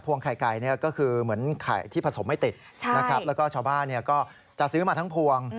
พวงไข่ไก่เนี่ยก็คือเหมือนไข่ที่ผสมไม่ติดแล้วก็ชาวบ้านเนี่ยก็จะซื้อมาทั้งพวง